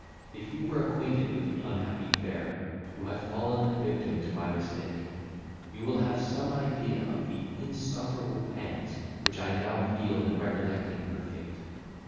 If you were acquainted with the unhappy fair, who hath fallen a victim to my mistake, you will have some idea of the insufferable pangs which I now feel in recollecting her fate.